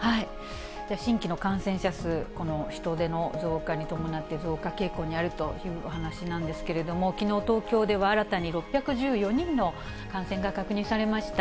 新規の感染者数、この人出の増加に伴って、増加傾向にあるというお話なんですけれども、きのう、東京では新たに６１４人の感染が確認されました。